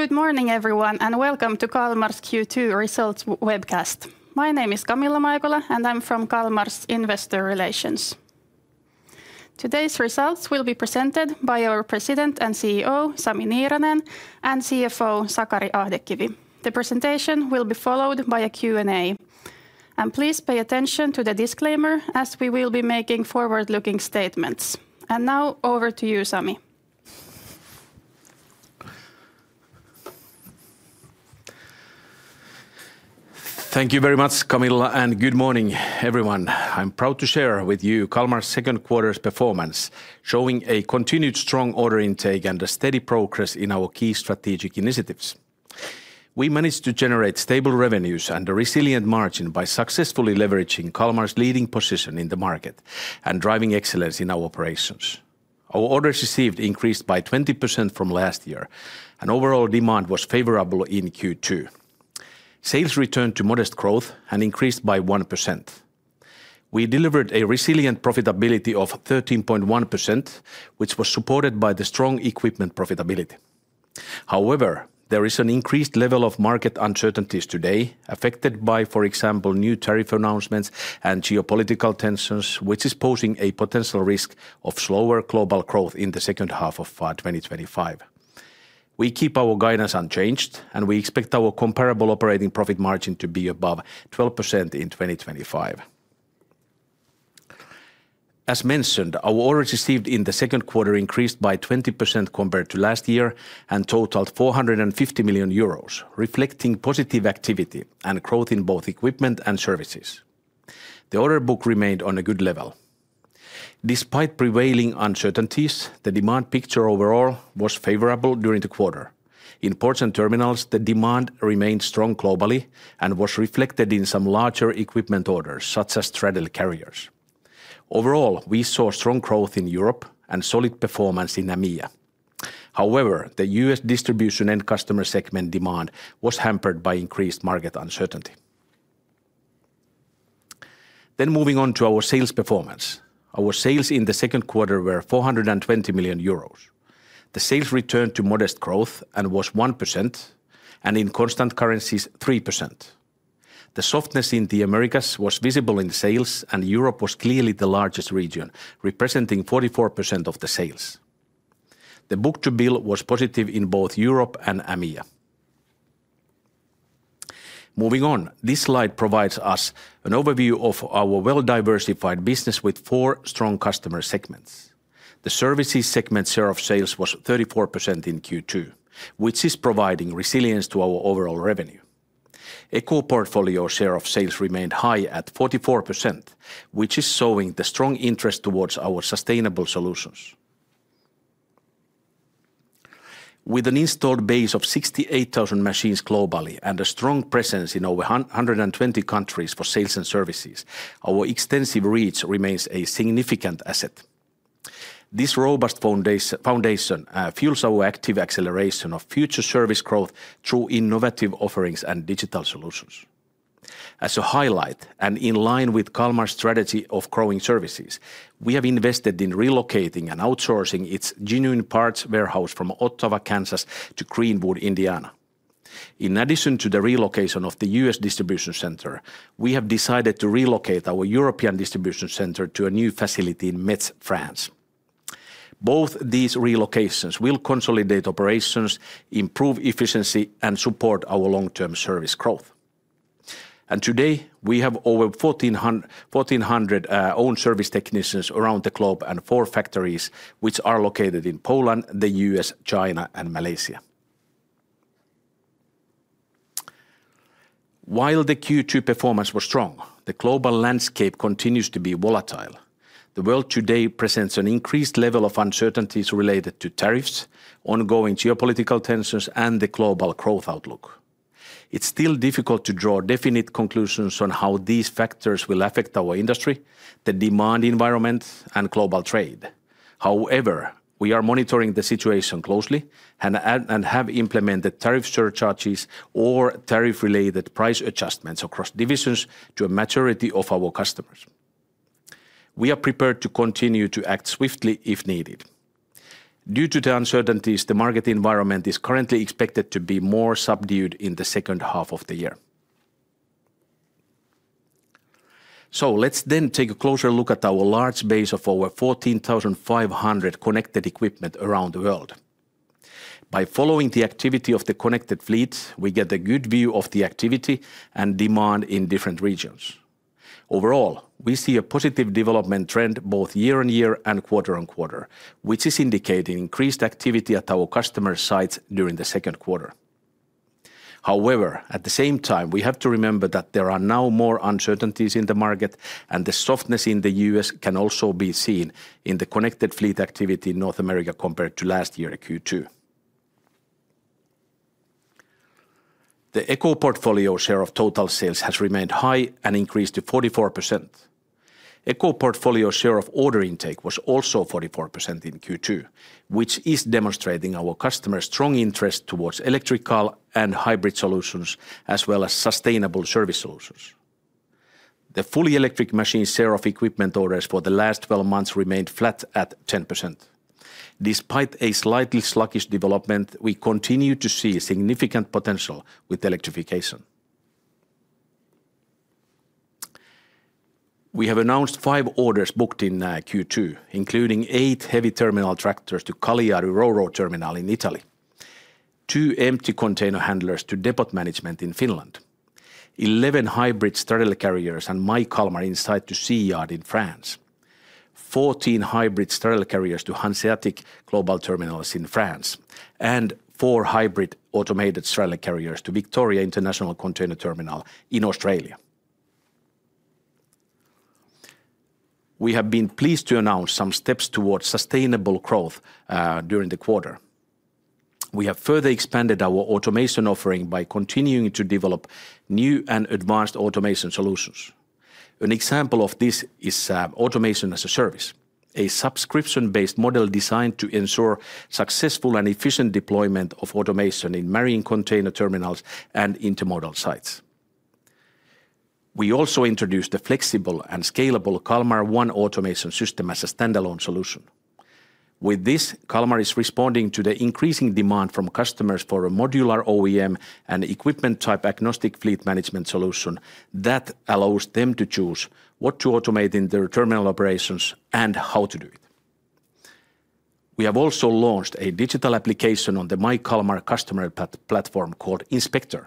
Good morning, everyone, and welcome to Kalmar's Q2 results webcast. My name is Kamila Maigola, and I'm from Kalmar's Investor Relations. Today's results will be presented by our President and CEO, Sami Nierenen and CFO, Sakari Adekkivi. The presentation will be followed by a Q and A. And please pay attention to the disclaimer as we will be making forward looking statements. And now over to you, Sami. Thank you very much, Camilo, and good morning, everyone. I'm proud to share with you Calmar's second quarter's performance, showing a continued strong order intake and a steady progress in our key strategic initiatives. We managed to generate stable revenues and a resilient margin by successfully leveraging Calmar's leading position in the market and driving excellence in our operations. Our orders received increased by 20% from last year and overall demand was favorable in Q2. Sales returned to modest growth and increased by 1%. We delivered a resilient profitability of 13.1%, which was supported by the strong equipment profitability. However, there is an increased level of market uncertainties today affected by for example new tariff announcements and geopolitical tensions, which is posing a potential risk of slower global growth in the second half of twenty twenty five. We keep our guidance unchanged and we expect our comparable operating profit margin to be above 12% in 2025. As mentioned, our orders received in the second quarter increased by 20% compared to last year and totaled €450,000,000 reflecting positive activity and growth in both equipment and services. The order book remained on a good level. Despite prevailing uncertainties, the demand picture overall was favorable during the quarter. In ports and terminals, the demand remained strong globally and was reflected in some larger equipment orders such as treadle carriers. Overall, we saw strong growth in Europe and solid performance in EMEA. However, The U. S. Distribution and customer segment demand was hampered by increased market uncertainty. Then moving on to our sales performance. Our sales in the second quarter were €420,000,000 The sales returned to modest growth and was 1% and in constant currencies, 3%. The softness in The Americas was visible in sales and Europe was clearly the largest region, representing 44% of the sales. The book to bill was positive in both Europe and EMEA. Moving on. This slide provides us an overview of our well diversified business with four strong customer segments. The Services segment share of sales was 34% in Q2, which is providing resilience to our overall revenue. A core portfolio share of sales remained high at 44, which is showing the strong interest towards our sustainable solutions. With an installed base of 68,000 machines globally and a strong presence in over 120 countries for sales and services, our extensive reach remains a significant asset. This robust foundation fuels our active acceleration of future service growth through innovative offerings and digital solutions. As a highlight and in line with Calmar's strategy of growing services, we have invested in relocating and outsourcing its genuine parts warehouse from Ottawa, Kansas to Greenwood, Indiana. In addition to the relocation of The U. S. Distribution center, we have decided to relocate our European distribution center to a new facility in Metz, France. Both these relocations will consolidate operations, improve efficiency and support our long term service growth. And today, we have over 1,400 owned service technicians around the globe and four factories, which are located in Poland, The U. S, China and Malaysia. While the Q2 performance was strong, the global landscape continues to be volatile. The world today presents an increased level of uncertainties related to tariffs, ongoing geopolitical tensions and the global growth outlook. It's still difficult to draw definite conclusions on how these factors will affect our industry, the demand environment and global trade. However, we are monitoring the situation closely and have implemented tariff surcharges or tariff related price adjustments across divisions to a majority of our customers. We are prepared to continue to act swiftly if needed. Due to the uncertainties, the market environment is currently expected to be more subdued in the second half of the year. So let's then take a closer look at our large base of our 14,500 connected equipment around the world. By following the activity of the connected fleet, we get a good view of the activity and demand in different regions. Overall, we see a positive development trend both year on year and quarter on quarter, which is indicating increased activity at our customer sites during the second quarter. However, at the same time, we have to remember that there are now more uncertainties in the market and the softness in The U. S. Can also be seen in the connected fleet activity in North America compared to last year Q2. The Eco portfolio share of total sales has remained high and increased to 44%. Eco portfolio share of order intake was also 44% in Q2, which is demonstrating our customers' strong interest towards electrical and hybrid solutions as well as sustainable service solutions. The fully electric machine share of equipment orders for the last twelve months remained flat at 10%. Despite a slightly sluggish development, we continue to see significant potential with electrification. We have announced five orders booked in Q2, including eight heavy terminal tractors to Kalliari Rorow Terminal in Italy two empty container handlers to depot management in Finland 11 hybrid straddle carriers and MyKalm are inside to SEA Yard in France 14 hybrid straddle carriers to Hanseatic global terminals in France and four hybrid automated straddle carriers to Victoria International Container Terminal in Australia. We have been pleased to announce some steps towards sustainable growth during the quarter. We have further expanded our automation offering by continuing to develop new and advanced automation solutions. An example of this is Automation as a Service, a subscription based model designed to ensure successful and efficient deployment of automation in marine container terminals and intermodal sites. We also introduced the flexible and scalable Kalmar One automation system as a stand alone solution. With this, Kalmar is responding to the increasing demand from customers for a modular OEM and equipment type agnostic fleet management solution that allows them to choose what to automate in their terminal operations and how to do it. We have also launched a digital application on the myCalamar customer platform called Inspector,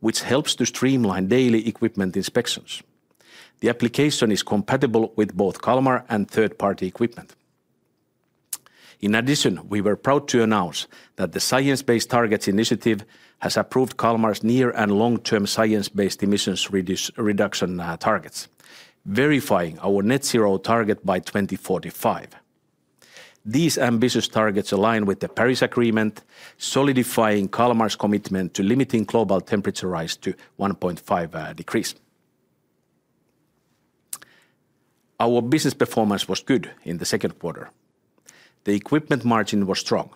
which helps to streamline daily equipment inspections. The application is compatible with both CalMar and third party equipment. In addition, we were proud to announce that the Science Based Targets initiative has approved CalMR's near and long term science based emissions reduction targets, verifying our net zero target by 02/1945. These ambitious targets align with the Paris Agreement, solidifying Calamar's commitment to limiting global temperature rise to 1.5 degrees. Our business performance was good in the second quarter. The equipment margin was strong.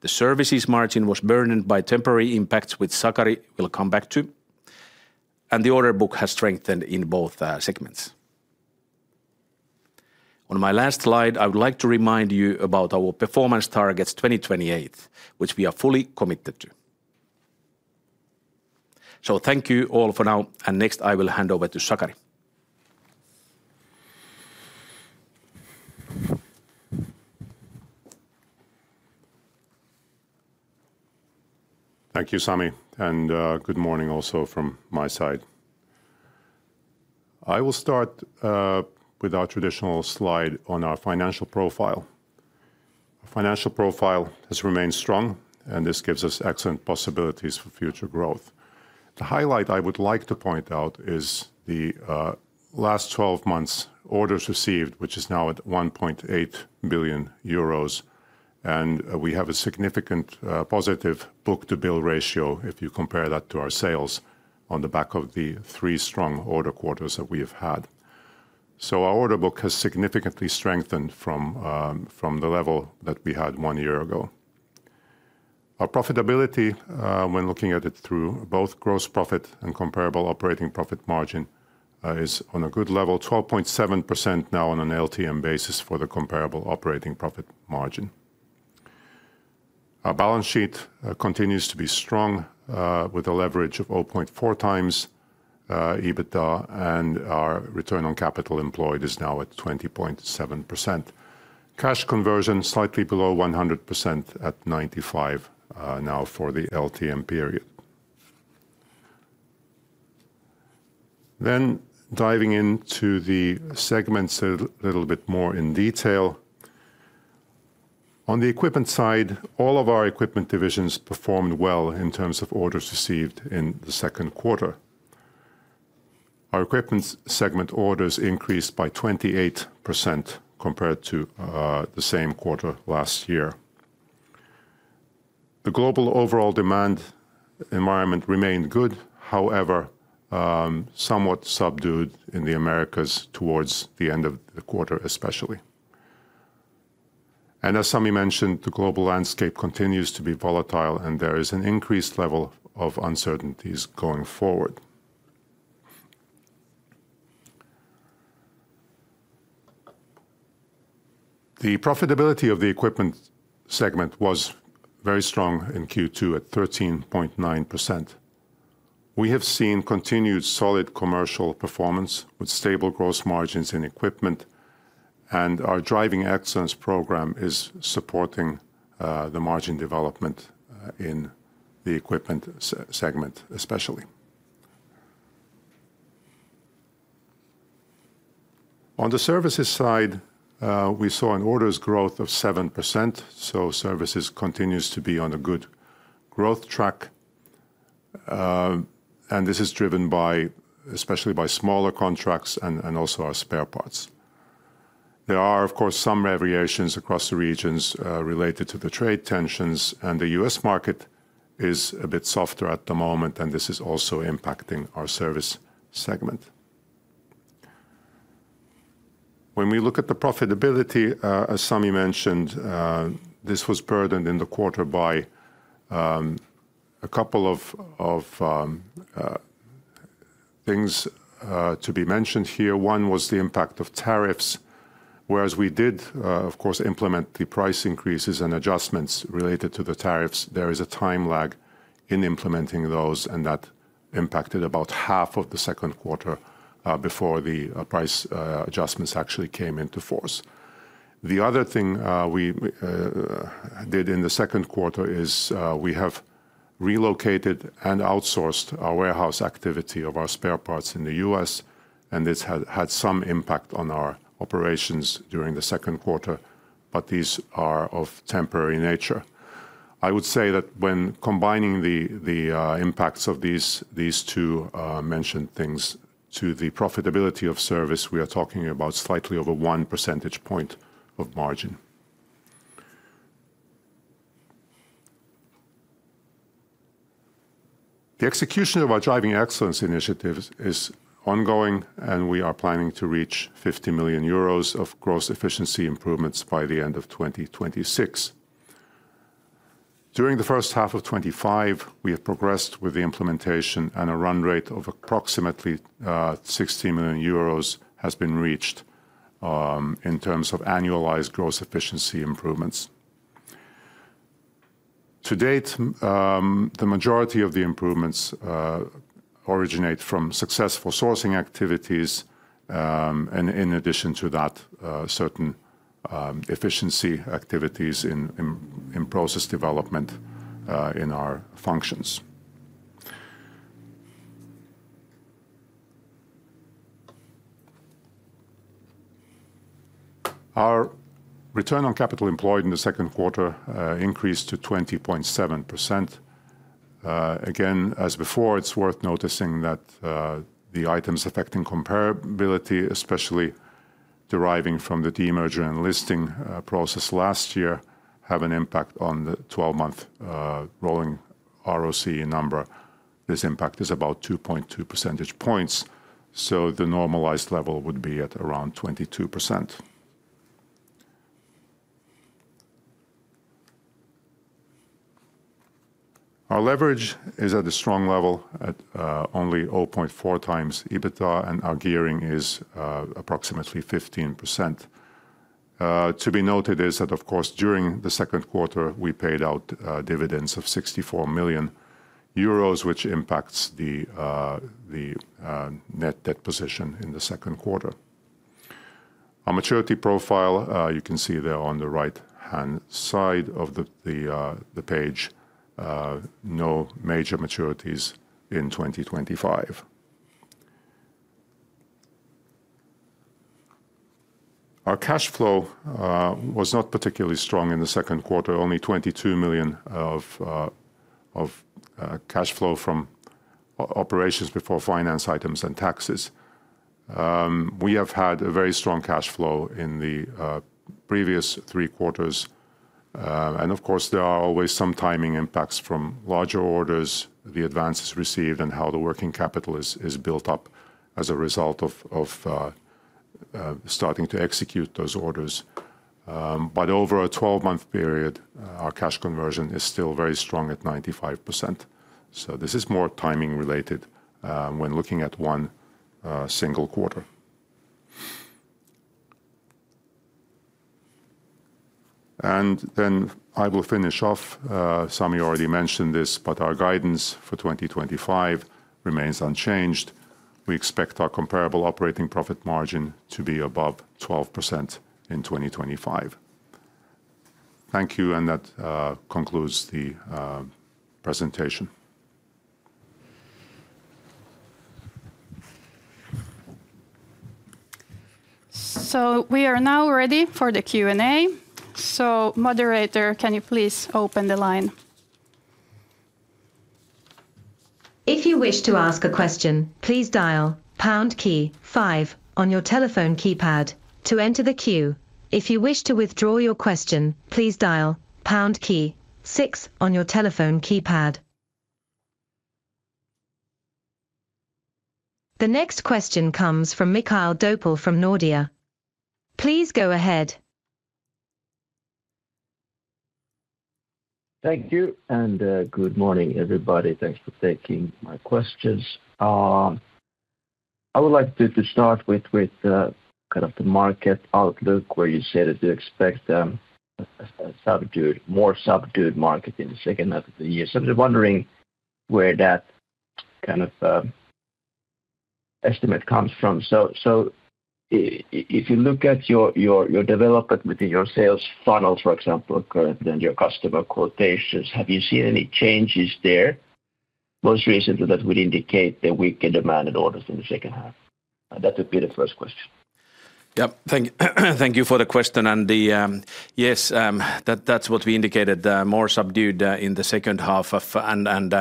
The services margin was burdened by temporary impacts, which Sagari will come back to. And the order book has strengthened in both segments. On my last slide, I would like to remind you about our performance targets 2028, which we are fully committed to. So thank you all for now. And next, I will hand over to Sagar. Thank you, Sami, and good morning also from my side. I will start with our traditional slide on our financial profile. Financial profile has remained strong and this gives us excellent possibilities for future growth. The highlight I would like to point out is the last twelve months orders received, which is now at €1,800,000,000 And we have a significant positive book to bill ratio if you compare that to our sales on the back of the three strong order quarters that we have had. So our order book has significantly strengthened from the level that we had one year ago. Our profitability, when looking at it through both gross profit and comparable operating profit margin, is on a good level, 12.7% now on an LTM basis for the comparable operating profit margin. Our balance sheet continues to be strong with a leverage of 0.4 times EBITDA and our return on capital employed is now at 20.7%. Cash conversion slightly below 100% at 95% now for the LTM period. Then diving into the segments a little bit more in detail. On the Equipment side, all of our Equipment divisions performed well in terms of orders received in the second quarter. Our Equipment segment orders increased by 28% compared to the same quarter last year. The global overall demand environment remained good, however, somewhat subdued in The Americas towards the end of the quarter, especially. And as Sami mentioned, the global landscape continues to be volatile, and there is an increased level of uncertainties going forward. The profitability of the Equipment segment was very strong in Q2 at 13.9%. We have seen continued solid commercial performance with stable gross margins in Equipment, And our Driving Excellence program is supporting the margin development in the Equipment segment, especially. On the Services side, we saw an orders growth of 7%. So Services continues to be on a good growth track. And this is driven by especially by smaller contracts and also our spare parts. There are, of course, some variations across the regions related to the trade tensions, and The U. S. Market is a bit softer at the moment, and this is also impacting our Service segment. When we look at the profitability, as Sami mentioned, this was burdened in the quarter by a couple of things to be mentioned here. One was the impact of tariffs, whereas we did, of course, implement the price increases and adjustments related to the tariffs. There is a time lag in implementing those, and that impacted about half of the second quarter before the price adjustments actually came into force. The other thing we did in the second quarter is we have relocated and outsourced our warehouse activity of our spare parts in The U. S, and this had some impact on our operations during the second quarter, but these are of temporary nature. I would say that when combining the impacts of these two mentioned things to the profitability of Service, we are talking about slightly over one percentage point of margin. The execution of our Driving Excellence initiatives is ongoing, and we are planning to reach €50,000,000 of gross efficiency improvements by the end of twenty twenty six. During the first half of twenty twenty five, we have progressed with the implementation, and a run rate of approximately 60,000,000 euros has been reached in terms of annualized gross efficiency improvements. To date, the majority of the improvements originate from successful sourcing activities. And in addition to that, certain efficiency activities in process development in our functions. Our return on capital employed in the second quarter increased to 20.7%. Again, as before, it's worth noticing that the items affecting comparability, especially deriving from the demerger and listing process last year, have an impact on the twelve month rolling ROCE number. This impact is about 2.2 percentage points. So the normalized level would be at around 22%. Our leverage is at a strong level at only 0.4 times EBITDA, and our gearing is approximately 15%. To be noted is that, of course, during the second quarter, we paid out dividends of 64,000,000 which impacts the net debt position in the second quarter. Our maturity profile, you can see there on the right hand side of the page, no major maturities in 2025. Our cash flow was not particularly strong in the second quarter, only 22,000,000 of cash flow from operations before finance items and taxes. We have had a very strong cash flow in the previous three quarters. And of course, there are always some timing impacts from larger orders, the advances received and how the working capital is built up as a result of starting to execute those orders. But over a twelve month period, our cash conversion is still very strong at 95%. So this is more timing related when looking at one single quarter. And then I will finish off. Sami already mentioned this, but our guidance for 2025 remains unchanged. We expect our comparable operating profit margin to be above 12% in 2025. Thank you, and that concludes the presentation. So we are now ready for the Q and A. So moderator, can you please open the line? The next question comes from Mikhail Doppel from Nordea. Please go ahead. Thank you and good morning everybody. Thanks for taking my questions. I would like to start with kind of the market outlook where you said that you expect a more subdued market in the second half of the year. So I'm just wondering where that kind of estimate comes from. So if you look at your development within your sales funnel, for example, current and your customer quotations, have you seen any changes there, most recently that would indicate a weaker demand in orders in the second half? That would be the first question. Yes. Thank you for the question. And the yes, that's what we indicated, more subdued in the second half of and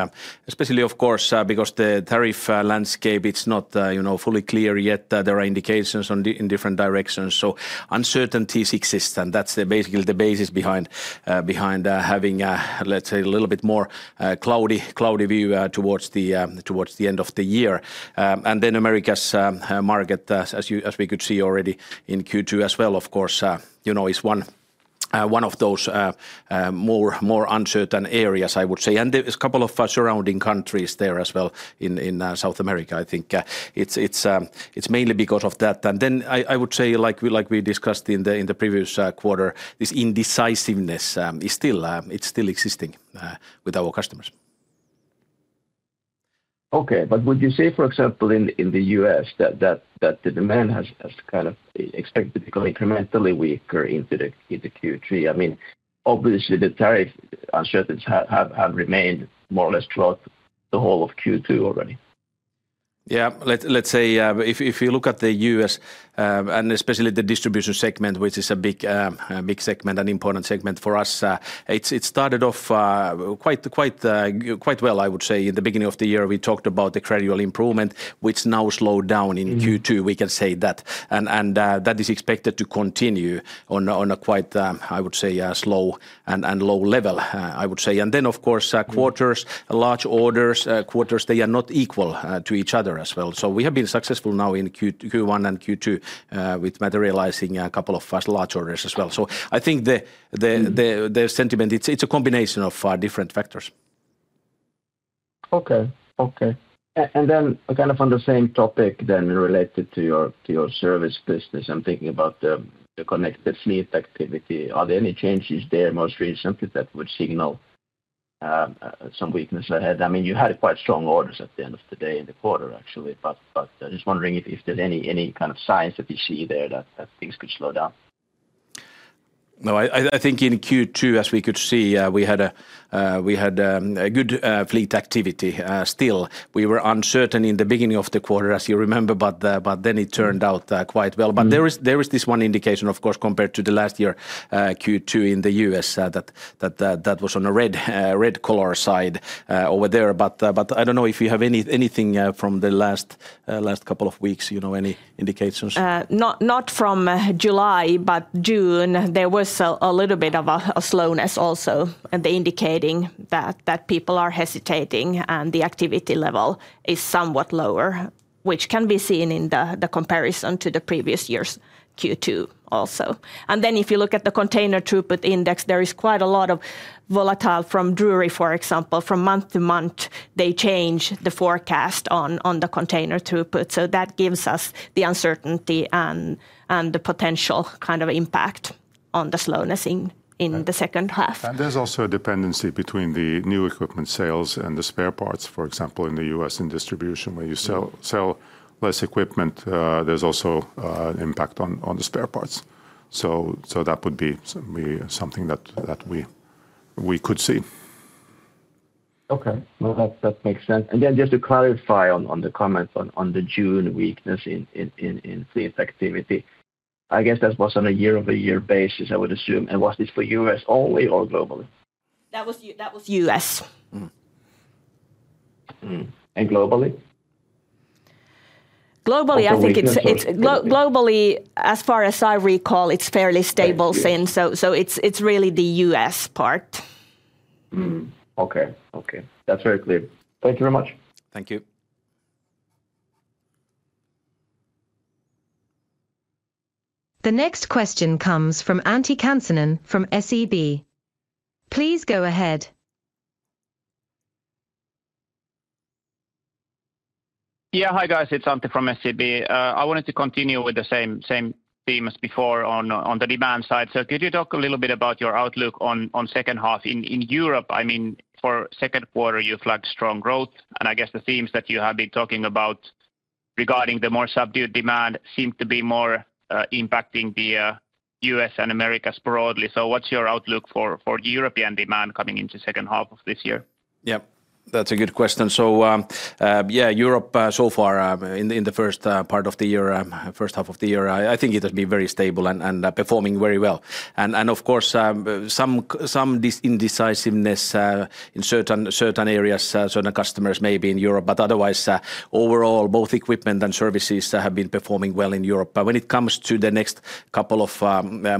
especially, of course, because the tariff landscape, it's not fully clear yet. There are indications in different directions. So uncertainties exist and that's basically the basis behind having, let's say, a little bit more cloudy view towards the end of the year. And then Americas market, as we could see already in Q2 as well, of course, is one of those more uncertain areas, I would say. And there is a couple of surrounding countries there as well in South America. I think it's mainly because of that. And then I would say, like we discussed in the previous quarter, this indecisiveness is still existing with our customers. Okay. But would you say, for example, in The U. S. That the demand has kind of expected to become incrementally weaker into Q3. I mean, obviously, the tariff uncertainties have remained more or less throughout the whole of Q2 already. Yes. Let's say, if you look at The U. S. And especially the distribution segment, which is a big segment, an important segment for us, it started off quite well, I would say. In the beginning of the year, we talked about the gradual improvement, which now slowed down in Q2, we can say that. And that is expected to continue on a quite, I would say, slow and low level, I would say. And then, of course, quarters, large orders, quarters, they are not equal to each other as well. So we have been successful now in Q1 and Q2 with materializing a couple of large orders as well. So I think the sentiment, it's a combination of different factors. Okay, okay. And then kind of on the same topic then related to your service business, I'm thinking about the connected fleet activity. Are there any changes there most recently that would signal some weakness ahead? I mean you had quite strong orders at the end of the day in the quarter actually, but I'm just wondering if there's any kind of signs that you see there that things could slow down. No. I think in Q2, as we could see, we had a good fleet activity still. We were uncertain in the beginning of the quarter, as you remember, but then it turned out quite well. But there is this one indication, of course, compared to the last year Q2 in The U. S. That was on a red color side over there. But I don't know if you have anything from the last couple of weeks, any indications? Not from July, but June. There was a little bit of a slowness also indicating that people are hesitating and the activity level is somewhat lower, which can be seen in the comparison to the previous year's Q2 also. And then if you look at the container throughput index, there is quite a lot of volatile from drury, for example. From month to month, they change the forecast on the container throughput. So that gives us the uncertainty and the potential kind of impact on the slowness in the second half. And there's also a dependency between the new equipment sales and the spare parts, for example, in The U. S. In distribution where you sell less equipment, there's also an impact on the spare parts. So that would be something that we could see. Okay. That makes sense. And then just to clarify on the comments on the June weakness in fleet activity. I guess that was on a year over year basis, I would assume. And was this for U. S. Only or globally? That was U. S. And globally? Globally, far as I recall, it's fairly stable, So it's really The U. S. Part. The next question comes from Antti Kansanen from SEB. Please go ahead. Yes. Hi, guys. It's Antti from SEB. I wanted to continue with the same theme as before on the demand side. So could you talk a little bit about your outlook on second half in Europe? I mean, for second quarter, you flagged strong growth. And I guess the themes that you have been talking about regarding the more subdued demand seem to be more impacting The U. S. And Americas broadly. So what's your outlook for European demand coming into second half of this year? Yes. That's a good question. So yes, Europe so far in the first part of the year first half of the year, think it has been very stable and performing very well. And of course, some indecisiveness in certain areas, certain customers maybe in Europe. But otherwise, overall, both equipment and services have been performing well in Europe. But when it comes to the next couple of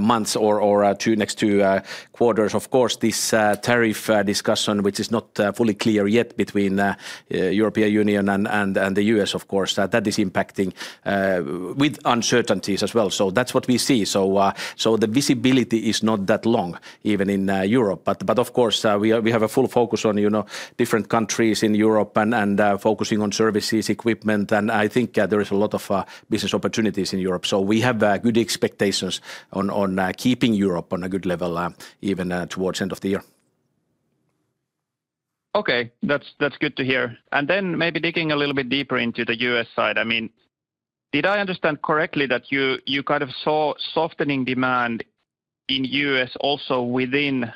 months or two next two quarters. Of course, this tariff discussion, which is not fully clear yet between European Union and The U. S, of course, that is impacting with uncertainties as well. So that's what we see. So the visibility is not that long even in Europe. But of course, we have a full focus on different countries in Europe and focusing on services equipment. And I think there is a lot of business opportunities in Europe. So we have good expectations on keeping Europe on a good level even towards end of the year. Okay. That's good to hear. And then maybe digging a little bit deeper into The U. S. Side. I mean, did I understand correctly that you kind of saw softening demand in U. S. Also within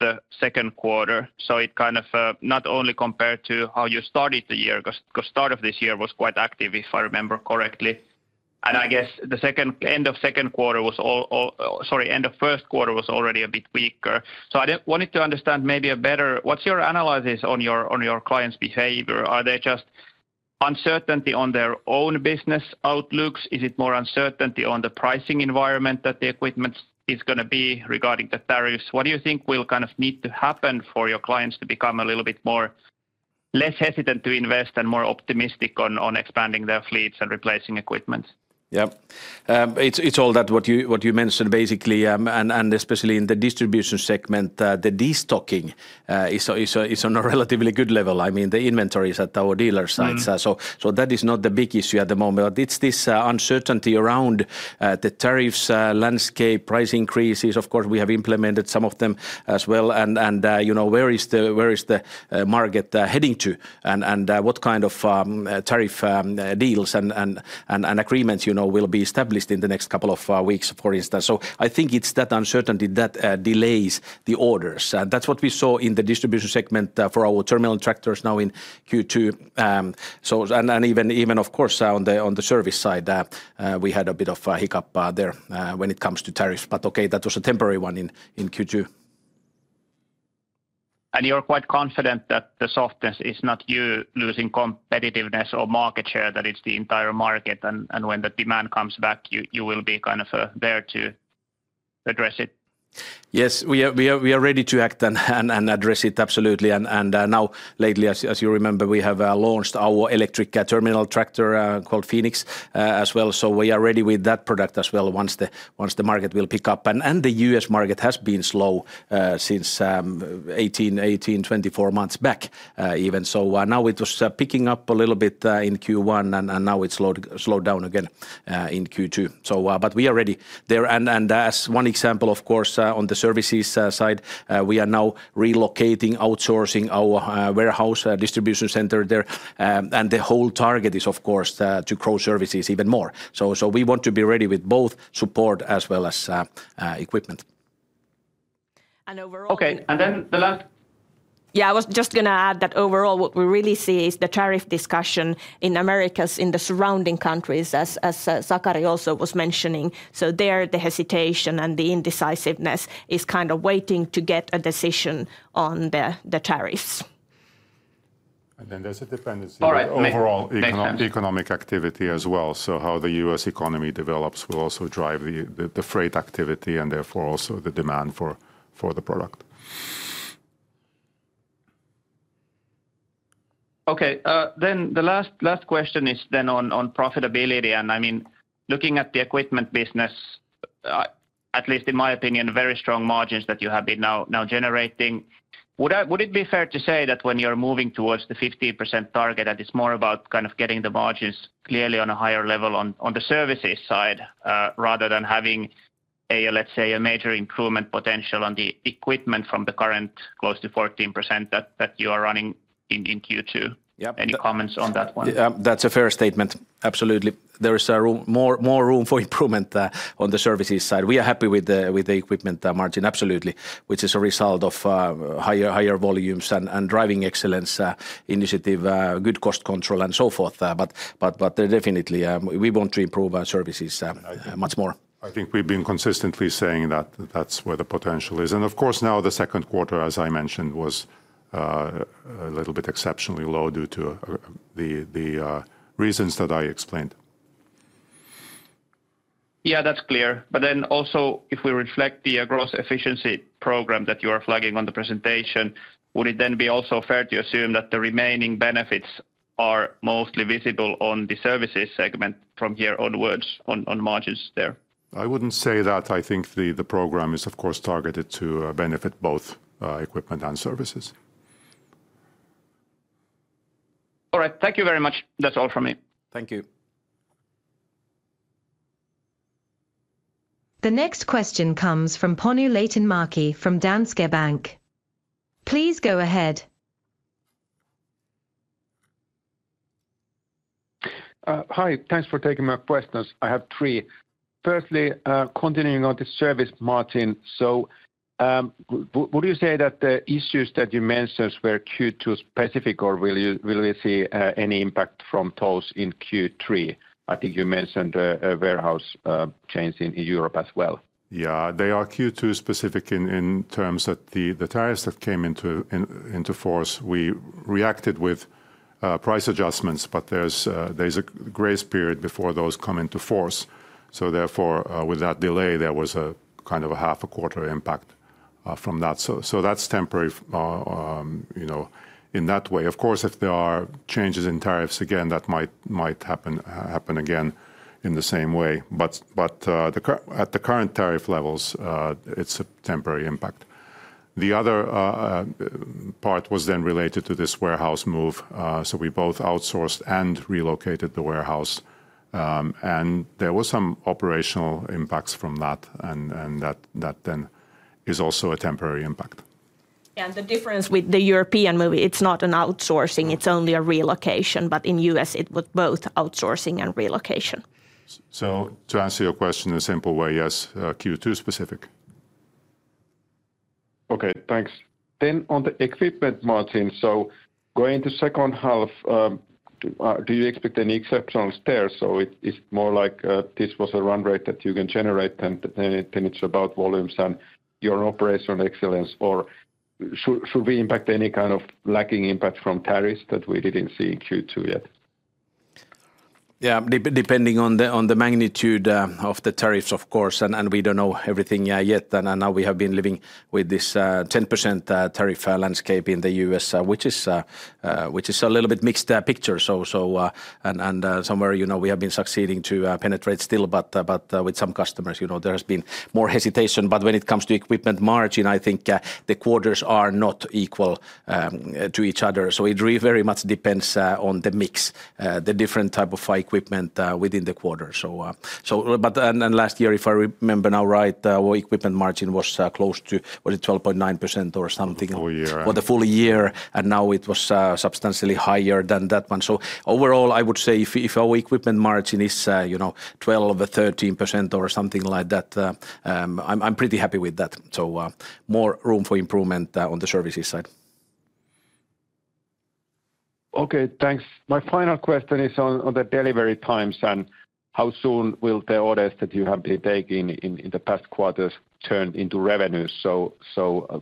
the second quarter? So it kind of not only compared to how you started the year because start of this year was quite active, if I remember correctly. And I guess the second end of second quarter was sorry, end of first quarter was already a bit weaker. So I wanted to understand maybe a better what's your analysis on your clients' behavior? Are they just uncertainty on their own business outlooks? Is it more uncertainty on the pricing environment that the equipment is going to be regarding the tariffs? What do you think will kind of need to happen for your clients to become a little bit more less hesitant to invest and more optimistic on expanding their fleets and replacing equipment? Yes. It's all that what you mentioned basically. And especially in the Distribution segment, the destocking is on a relatively good level. I mean, the inventories at our dealer sites. So that is not the big issue at the moment. It's this uncertainty around the tariffs landscape price increases. Of course, we have implemented some of them as well. And where is the market heading to and what kind of tariff deals and and agreements will be established in the next couple of weeks, for instance. So I think it's that uncertainty that delays the orders. That's what we saw in the Distribution segment for our terminal tractors now in Q2. So and even, of course, on the Service side, we had a bit of a hiccup there when it comes to tariffs. But okay, that was a temporary one in Q2. And you're quite confident that the softness is not you losing competitiveness or market share, that it's the entire market. And when the demand comes back, you will be kind of there to address it? Yes. We are ready to act and address it absolutely. And now lately, as you remember, we have launched our electric terminal tractor called Fenix as well. So we are ready with that product as well once the market will pick up. And The U. S. Market has been slow since 2018, twenty four months back even. So now it was picking up a little bit in Q1 and now it's slowed down again in Q2. So but we are ready there. And as one example, of course, on the services side, we are now relocating, outsourcing our warehouse distribution center there. And the whole target is, of course, to grow services even more. So, we want to be ready with both support as well as equipment. Overall Okay. And then the last Yes. I was just going to add that overall, what we really see is the tariff discussion in Americas, in the surrounding countries, as Zakari also was mentioning. So there, the hesitation and the indecisiveness is kind of waiting to get a decision on the tariffs. Then there's a dependency on overall economic activity as well. How The U. S. Economy develops will also drive the freight activity and therefore also the demand for the product. Okay. Then the last question is then on profitability. And I mean, looking at the Equipment business, at least in my opinion, very strong margins that you have been now generating. It be fair to say that when you're moving towards the 15% target that it's more about kind of getting the margins clearly on a higher level on the services side rather than having, let's say, a major improvement potential on the equipment from the current close to 14% that you are running in Q2. Any comments on that one? Yes. That's a fair statement. Absolutely. There is more room for improvement on the services side. We are happy with the equipment margin, absolutely, which is a result of higher volumes and driving excellence initiative, good cost control and so forth. But definitely, we want to improve our Services much more. I think we've been consistently saying that that's where the potential is. And of course, now the second quarter, as I mentioned, was a little bit exceptionally low due to the reasons that I explained. Yes, that's clear. But then also, if we reflect the gross efficiency program that you are flagging on the presentation, would it then be also fair to assume that the remaining benefits are mostly visible on the Services segment from here onwards on margins there? I wouldn't say that. I think the program is, of course, targeted to benefit both equipment and services. The next question comes from Ponu Leitenmarki from Danske Bank. I have three. Firstly, continuing on to Service margin. So would you say that the issues that you mentioned were Q2 specific? Or will really see any impact from those in Q3? I think you mentioned warehouse change in Europe as well. Yes. They are Q2 specific in terms of the tariffs that came into force. We reacted with price adjustments, but there's a grace period before those come into force. So therefore, with that delay, there was a kind of a half a quarter impact from that. That's temporary in that way. Of course, if there are changes in tariffs, again, that might happen again in the same way. But at the current tariff levels, it's a temporary impact. The other part was then related to this warehouse move. So we both outsourced and relocated the warehouse. And there were some operational impacts from that, and that then is also a temporary impact. Yes. The difference with the European movie, it's not an outsourcing, it's only a relocation. But in U. S, it was both outsourcing and relocation. So to answer your question in a simple way, yes, Q2 specific. Okay. Then on the equipment margin, so going into second half, do you expect any exceptions there? So it's more like this was a run rate that you can generate and it's about volumes and your operational excellence? Or should we impact any kind of lagging impact from tariffs that we didn't see in Q2 yet? Yes. Depending on the magnitude of the tariffs, of course, and we don't know everything yet. And now we have been living with this 10% tariff landscape in The U. S, which is a little bit mixed picture. So and somewhere, we have been succeeding to penetrate still, with some customers, there has been more hesitation. But when it comes to equipment margin, I think the quarters are not equal to each other. So it really very much depends on the mix, the different type of equipment within the quarter. But then last year, if I remember now right, our equipment margin was close to, was it 12.9% or something? Full year. For the full year. And now it was substantially higher than that one. So overall, I would say, if our equipment margin is 12 or 13% or something like that, I'm pretty happy with that. So more room for improvement on the Services side. Okay. Thanks. My final question is on the delivery times and how soon will the orders that you have been taking in the past quarters turn into revenues. So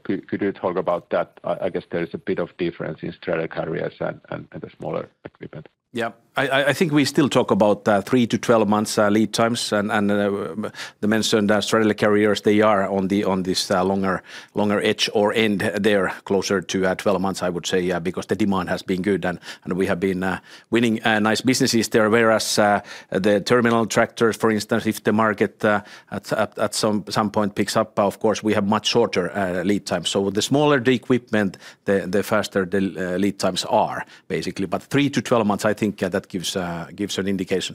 could you talk about that? I guess there is a bit of difference in Strayer Carriers and the smaller equipment. Yes. I think we still talk about three to twelve months lead times. And the mentioned stranded carriers, are on this longer edge or end there closer to twelve months, I would say, because the demand has been good and we have been winning nice businesses there. Whereas the terminal tractors, for instance, if the market at some point picks up, of course, we have much shorter lead times. So the smaller the equipment, the faster the lead times are basically. But three to twelve months, I think that gives an indication.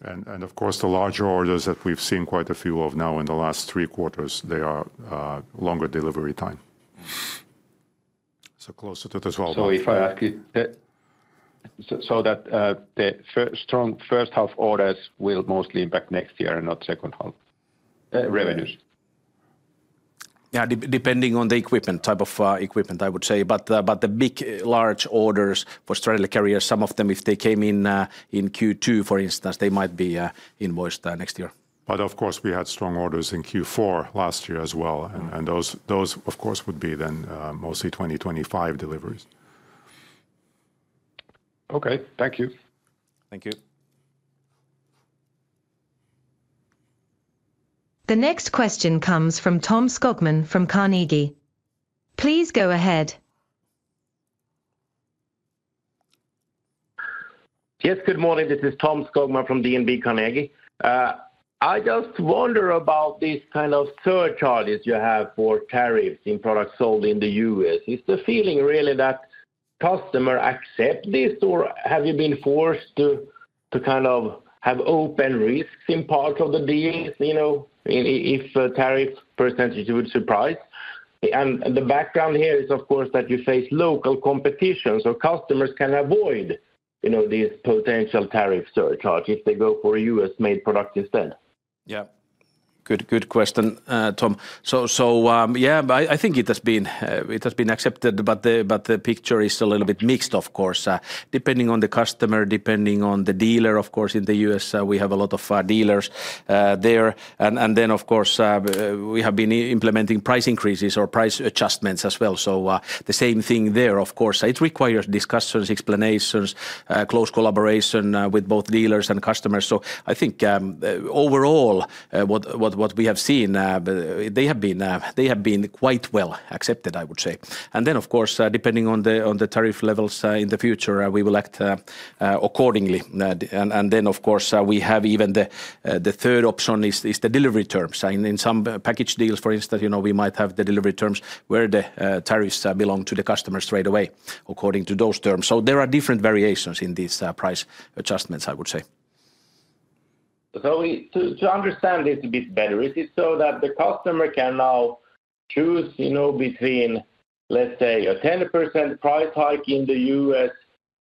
And of course, the larger orders that we've seen quite a few of now in the last three quarters, they are longer delivery time. So closer to 12%. So if I ask you that so that strong first half orders will mostly impact next year and not second half revenues? Yes. Depending on the equipment type of equipment, I would say. But the big large orders for Straddle Carrier, some of them, if they came in Q2, for instance, they might be invoiced next year. But of course, we had strong orders in Q4 last year as well. And those, of course, would be then mostly twenty twenty five deliveries. The next question comes from Tom Skogman from Carnegie. Please go ahead. Yes, good morning. This is Tom Skogman from DNB Carnegie. I just wonder about these kind of surcharges you have for tariffs in products sold in The U. S. Is the feeling really that customer accept this? Or have you been forced to kind of have open risks in part of the deal if tariff percentage would surprise? And the background here is, of course, that you face local competition, so customers can avoid these potential tariff surcharges. They go for U. S. Made products instead. Yes. Good question, Tom. So yes, I think it has been accepted. But the picture is a little bit mixed, of course, depending on the customer, depending on the dealer. Of course, in The U. S, we have a lot of dealers there. And then, of course, we have been implementing price increases or price adjustments as well. So the same thing there, of course. It requires discussions, explanations, close collaboration with both dealers and customers. So I think overall, what we have seen, they have been quite well accepted, I would say. And then, of course, depending on the tariff levels in the future, we will act accordingly. Then, of course, we have even the third option is the delivery terms. In some package deals, for instance, we might have the delivery terms where the tariffs belong to the customers straight away according to those terms. So there are different variations in these price adjustments, I would say. So to understand this a bit better, is it so that the customer can now choose between, let's say, a 10% price hike in The U. S.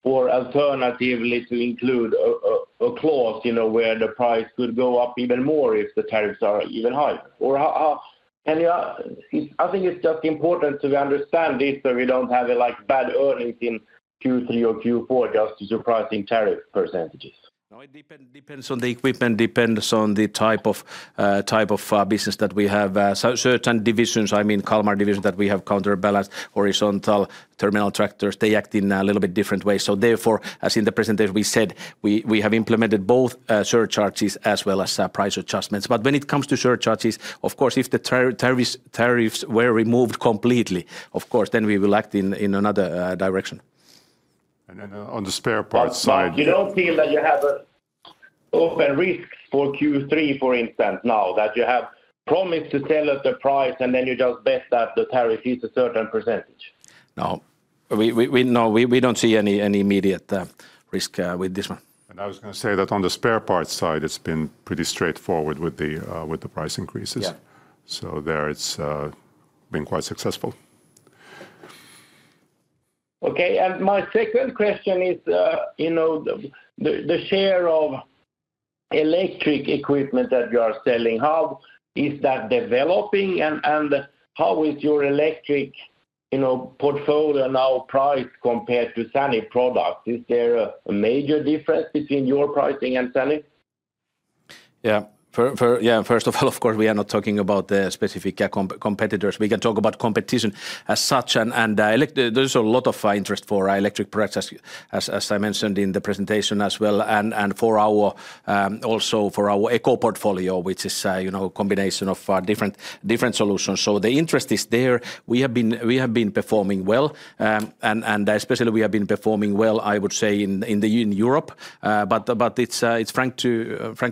For alternatively to include a clause where the price could go up even more if the tariffs are even higher? Or how and I think it's just important to understand this, so we don't have like bad earnings in Q3 or Q4 just as your pricing tariff percentages? No, it depends on the equipment, depends on the type of business that we have. Certain divisions, I mean, calmer divisions that we have counterbalanced horizontal terminal tractors, they act in a little bit different way. So therefore, as in the presentation, we said we have implemented both surcharges as well as price adjustments. But when it comes to surcharges, of course, if the tariffs were removed completely, of course, then we will act in another direction. And then on the spare parts side You don't feel that you have open risks for Q3, for instance, now that you have promised to sell at the price and then you just bet that the tariff is a certain percentage? No. We don't see any immediate risk with this one. And I was going say that on the spare parts side, it's been pretty straightforward with the price increases. So there, it's been quite successful. Okay. And my second question is the share of electric equipment that you are selling, how is that developing? And how is your electric portfolio now priced compared to Sani product? Is there a major difference between your pricing and Sani? Yes. First of all, of course, we are not talking about the specific competitors. We can talk about competition as such. And there's a lot of interest for electric products, as I mentioned in the presentation as well, and for our also for our ECO portfolio, which is a combination of different solutions. So the interest is there. We have been performing well. And especially, we have been performing well, I would say, in Europe. But it's frank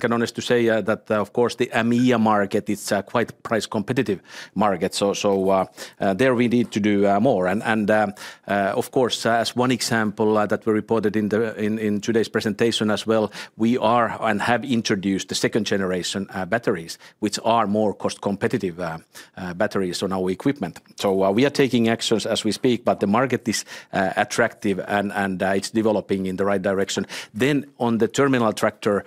and honest to say that, of course, the EMEA market is quite price competitive market. So there we need to do more. And of course, as one example that we reported in today's presentation as well, we are and have introduced the second generation batteries, which are more cost competitive batteries on our equipment. So we are taking actions as we speak, but the market is attractive and it's developing in the right direction. Then on the terminal tractor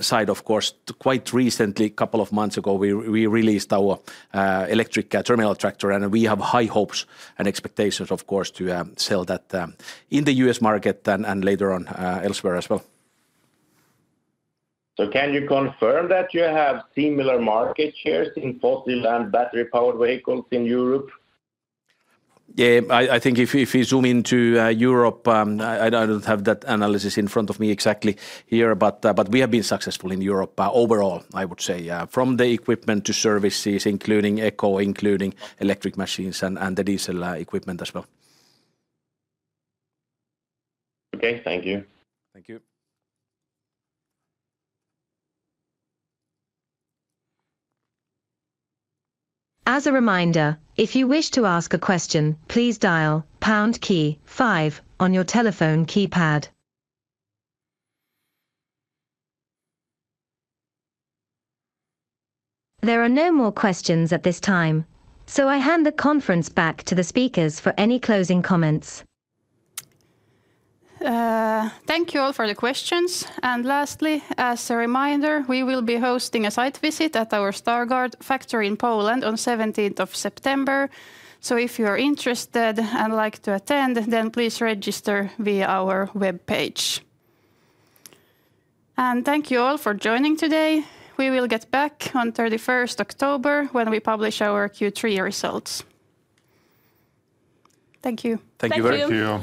side, of course, quite recently, a couple of months ago, we released our electric terminal tractor. And we have high hopes and expectations, of course, to sell that in The U. S. Market and later on elsewhere as well. So can you confirm that you have similar market shares in fossil and battery powered vehicles in Europe? Yes. I think if you zoom into Europe, I don't have that analysis in front of me exactly here, but we have been successful in Europe overall, I would say, from the equipment to services, including Eco, including electric machines and the diesel equipment as well. Okay. Thank you. Thank you. There are no more questions at this time. So I hand the conference back to the speakers for any closing comments. Thank you all for the questions. And lastly, as a reminder, we will be hosting a site visit at our Stargardt factory in Poland on September 17. So if you are interested and like to attend, please register via our web page. And thank you all for joining today. We will get back on thirty first October when we publish our Q3 results. Thank you. Thank you. You.